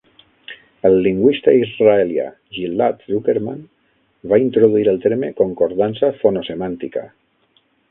El lingüista israelià Ghil'ad Zuckermann va introduir el terme "concordança fono-semàntica".